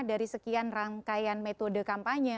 dari sekian rangkaian metode kampanye